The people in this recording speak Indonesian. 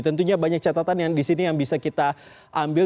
tentunya banyak catatan yang di sini yang bisa kita ambil